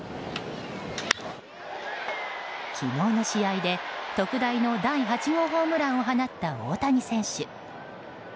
昨日の試合で特大の第８号ホームランを放った大谷選手。